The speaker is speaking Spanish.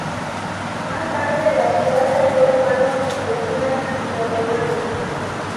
Más tarde, la ciudad cayó en manos bizantinas y otomanas.